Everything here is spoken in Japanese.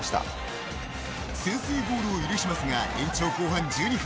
先制ゴールを許しますが延長後半１２分